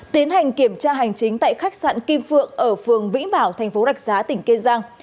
tiến hành kiểm tra hành chính tại khách sạn kim phượng ở phường vĩ bảo tp đạch giá tỉnh kê giang